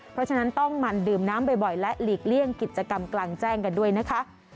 เพราะฉะนั้นต้องมันดื่มน้ำบ่อยและหลีกเลี่ยงกิจกรรมกลางแจ้งกันด้วยนะคะ